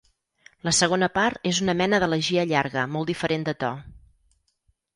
La segona part és una mena d’elegia llarga molt diferent de to.